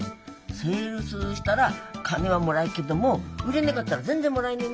セールスしたら金はもらえっけども売れねがったら全然もらえねえんだ。